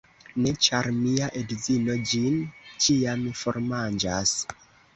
Ne, ĉar mia edzino ĝin ĉiam formanĝas.